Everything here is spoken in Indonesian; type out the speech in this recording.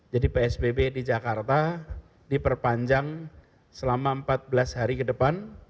jadi psbb di jakarta diperpanjang selama empat belas hari ke depan